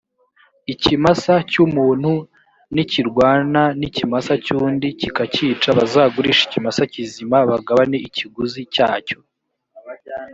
ikimasa cy umuntu nikirwana n ikimasa cy undi kikacyica bazagurishe ikimasa kizima bagabane ikiguzi cyacyo